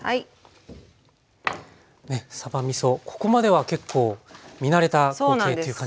さばみそここまでは結構見慣れた光景っていう感じですね。